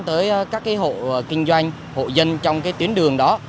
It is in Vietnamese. tới các hộ kinh doanh hộ dân trong cái tuyến đường đó